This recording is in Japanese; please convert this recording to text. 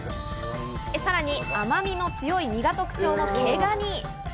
さらに甘みの強い身が特徴の毛ガニ。